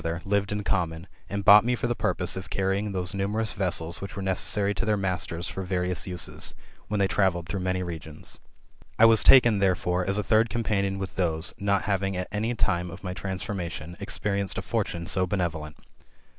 178 THE METAMORPHOSIS, OR lived in common, and bought me for the purpose of carrying those numerous vessels which were necessary to their masters for various uses, when they travelled through many regions. I was taken, thcfrefore, as a third companion with those: not having at any time [of my transformation], experienced a fortune so benevolent.